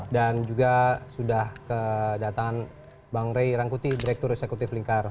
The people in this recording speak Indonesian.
dan juga sudah kedatangan bang ray rangkuti direktur eksekutif lingkar